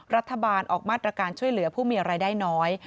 รัฐบาลออกมาตรการช่วยเหลือผู้มีรายได้น้อย